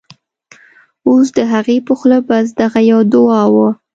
اوس د هغې په خوله بس، دغه یوه دعاوه